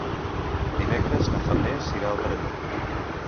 Dimecres na Farners irà al Perelló.